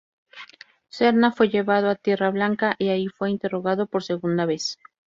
Serna fue llevado a Tierra Blanca y ahí fue interrogado por segunda vez.